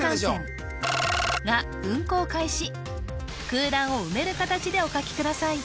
空欄を埋める形でお書きください